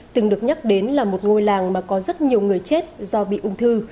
từng được nhắc đến là một ngôi làng mà có rất nhiều người chết do bị ung thư